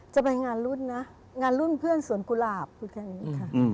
จะไปงานรุ่นนะงานรุ่นเพื่อนสวนกุหลาบพูดแค่นี้ค่ะ